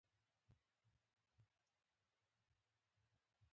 افغانستان د خپلو سیلابونو له مخې په نړۍ کې پېژندل کېږي.